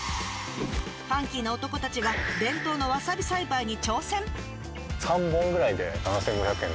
ファンキーな男たちが伝統のわさび栽培に挑戦。